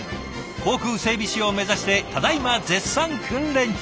航空整備士を目指してただいま絶賛訓練中。